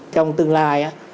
trong tương lai á